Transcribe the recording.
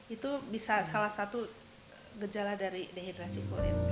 itu bisa salah satu gejala dari dehidrasi kulit